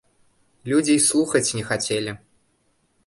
Людзі і слухаць не хацелі.